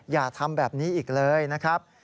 อย่าทำแบบนี้อีกเลยนะครับ